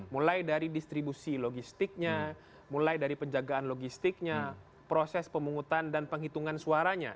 mulai dari distribusi logistiknya mulai dari penjagaan logistiknya proses pemungutan dan penghitungan suaranya